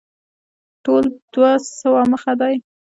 ټول دوه سوه مخه دی.